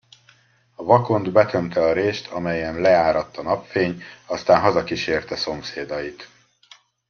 A vakond betömte a rést, amelyen leáradt a napfény, aztán hazakísérte szomszédait.